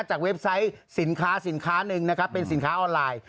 เว็บไซต์สินค้าสินค้าหนึ่งนะครับเป็นสินค้าออนไลน์